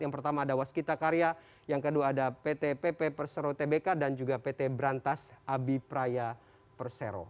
yang pertama ada waskita karya yang kedua ada pt pp persero tbk dan juga pt berantas abipraya persero